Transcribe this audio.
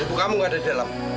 ibu kamu ada di dalam